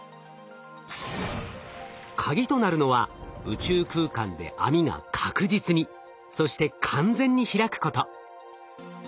カギとなるのは宇宙空間で網が確実にそして完全に開くこと。